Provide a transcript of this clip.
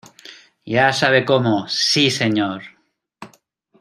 Ya sabe cómo. ¡ sí, señor!